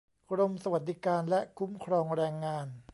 กรมสวัสดิการและคุ้มครองแรงงาน